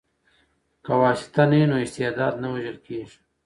که واسطه نه وي نو استعداد نه وژل کیږي.